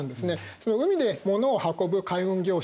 その海で物を運ぶ海運業者